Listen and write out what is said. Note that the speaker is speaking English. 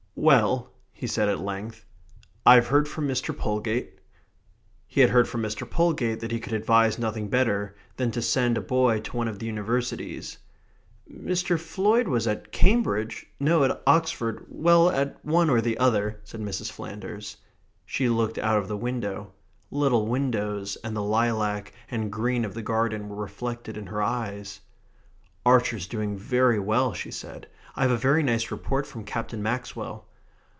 "Well," he said at length, "I've heard from Mr. Polegate." He had heard from Mr. Polegate that he could advise nothing better than to send a boy to one of the universities. "Mr. Floyd was at Cambridge... no, at Oxford... well, at one or the other," said Mrs. Flanders. She looked out of the window. Little windows, and the lilac and green of the garden were reflected in her eyes. "Archer is doing very well," she said. "I have a very nice report from Captain Maxwell."